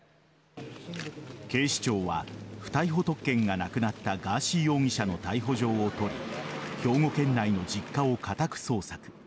警視庁は不逮捕特権がなくなったガーシー容疑者の逮捕状を取り兵庫県内の実家を家宅捜索。